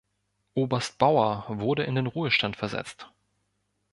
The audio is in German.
Oberst Bauer wurde in den Ruhestand versetzt.